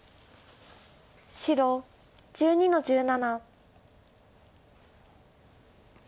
白１２の十七。